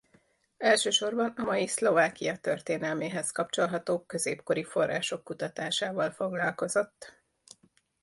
Elsősorban a mai Szlovákia történelméhez kapcsolható középkori források kutatásával foglalkozott.